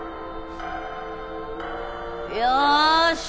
よし！